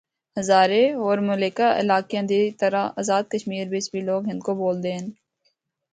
ہزارے ہور ملحقہ علاقیاں دی طرح ٓازاد کشمیر بچ بھی لوگ ہندکو بُولدے ہن۔